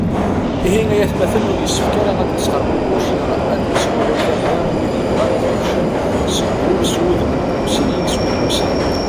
Ihi ay atmaten, ur yessefk ara ad nesxerbubec neɣ ad nesluɣuy tamda i wid yebɣan ad qedcen seg ul, s wudem n tmusni, s wudem ussnan.